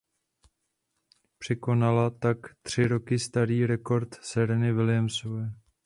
Překonala tak tři roky starý rekord Sereny Williamsové.